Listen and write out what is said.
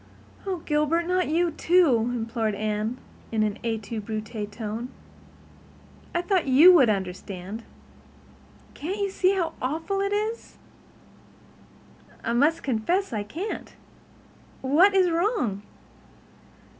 "Oh, Gilbert, not you," implored Anne, in an et tu Brute tone. "I thought you would understand. Can't you see how awful it is?" "I must confess I can't. What is wrong?"